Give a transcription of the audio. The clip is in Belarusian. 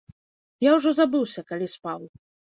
Я ўжо забыўся, калі спаў.